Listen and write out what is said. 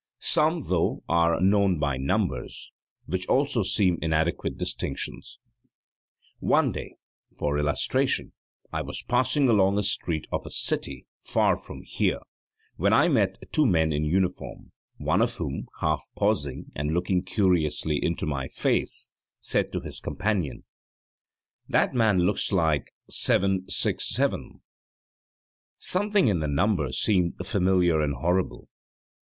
Some, though, are known by numbers, which also seem inadequate distinctions. One day, for illustration, I was passing along a street of a city, far from here, when I met two men in uniform, one of whom, half pausing and looking curiously into my face, said to his companion, 'That man looks like 767.' Something in the number seemed familiar and horrible.